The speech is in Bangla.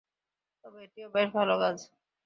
তবে এটিও বেশ ভালো কাজ।